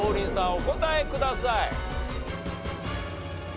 お答えください。